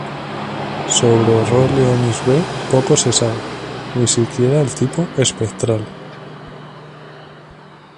Sobre Rho Leonis B poco se sabe, ni siquiera el tipo espectral.